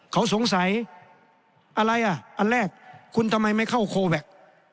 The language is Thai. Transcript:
เขาสงสัยอะไรอ่ะอันแรกคุณทำไมไม่เข้าโคแวค